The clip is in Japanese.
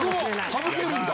省けるんだ！